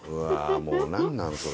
もうなんなのそれ。